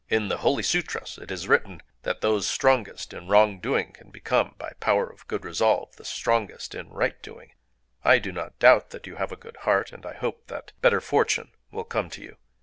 In the holy sûtras it is written that those strongest in wrong doing can become, by power of good resolve, the strongest in right doing. I do not doubt that you have a good heart; and I hope that better fortune will come to you.